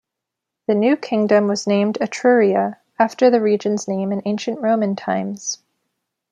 The new kingdom was named Etruria, after the region's name in ancient Roman times.